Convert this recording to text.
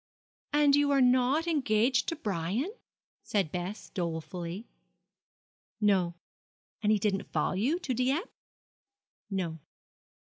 'And you are not engaged to Brian?' said Bess, dolefully. 'No.' 'And he didn't follow you to Dieppe?' 'No.'